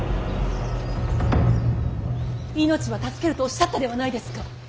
命は助けるとおっしゃったではないですか。